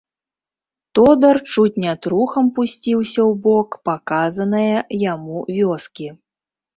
Тодар чуць не трухам пусціўся ў бок паказанае яму вёскі.